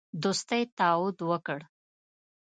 دوستی تعهد وکړ.